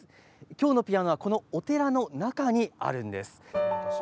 今日のピアノはこのお寺の中にあるんです。